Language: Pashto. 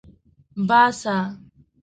باسه